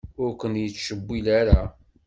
Ur ken-yettcewwil ara.